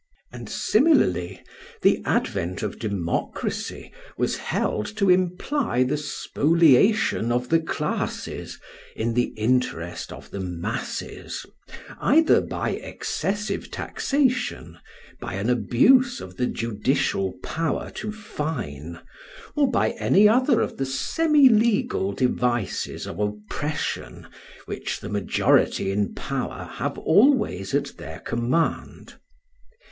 [Footnote: Thuc. vi. 39. Translated by Jowett.] And, similarly, the advent of democracy was held to imply the spoliation of the classes in the interest of the masses, either by excessive taxation, by an abuse of the judicial power to fine, or by any other of the semi legal devices of oppression which the majority in power have always at their command.